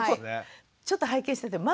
ちょっと拝見しててママ